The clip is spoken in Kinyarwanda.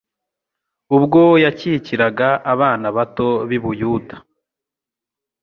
ubwo yakikiraga abana bato b'i Buyuda.